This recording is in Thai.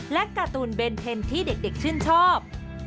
และการ์ตูนเบนเทนที่เด็กชื่นชอบ